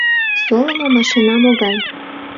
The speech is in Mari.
Солымо машина могай?